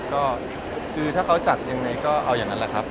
ก็คือถ้าเขาจัดยังไงก็เอาอย่างนั้นแหละครับ